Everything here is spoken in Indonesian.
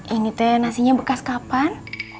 ini teh nasinya bekas kapan